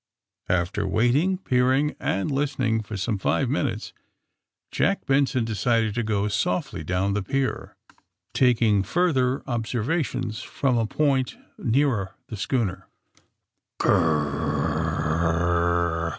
After waiting, peering and listening for some five minutes Jack Benson decided to go softly down the pier, taking further observations from a point nearer the schooner. Gr r r r